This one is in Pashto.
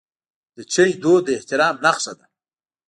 د چای دود د احترام نښه ده.